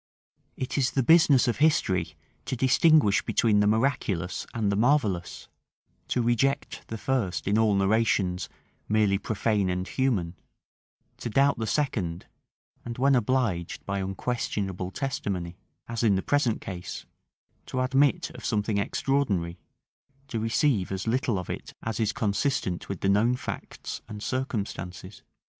It is the business of history to distinguish between the miraculous and the marvellous; to reject the first in all narrations merely profane and human; to doubt the second; and when obliged by unquestionable testimony, as in the present case, to admit of something extraordinary, to receive as little of it as is consistent with the known facts and circumstances.